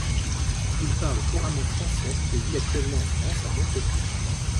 Il parle couramment français et vit actuellement en France à Montpellier.